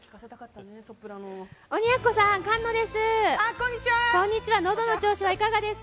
鬼奴さん、菅野です。